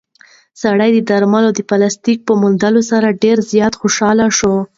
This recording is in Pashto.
سړی د درملو د پلاستیک په موندلو سره ډېر زیات خوشحاله شو.